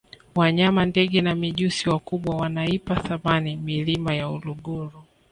wanyama ndege na mijusi wakubwa wanaipa thamani milima ya uluguru